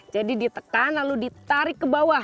jadi ditekan lalu ditarik ke bawah